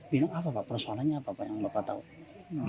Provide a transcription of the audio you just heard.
bilang apa pak persoalannya apa pak yang bapak tahu